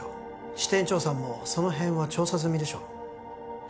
支店長さんもその辺は調査済みでしょ？